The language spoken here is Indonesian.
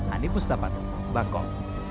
andi mustafa bangkok